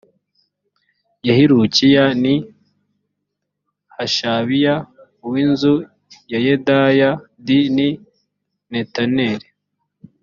ya hilukiya ni hashabiya uw inzu ya yedaya d ni netaneli